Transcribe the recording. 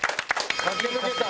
駆け抜けた。